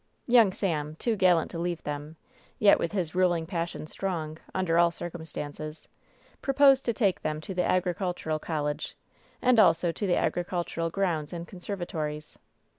Young Sam, too gallant to leave them, yet with his "ruling passion strong," under all circumstances, pro posed to take them to the Agricultural College, and also to the agricultural grounds and conservatories.